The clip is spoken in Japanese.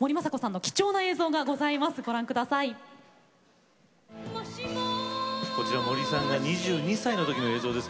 森昌子さんの貴重な映像が森さんが２２歳の時の映像です。